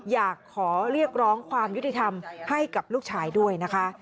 อยากขอเรียกร้องความยุติธรรมให้กับลูกชายด้วยนะคะ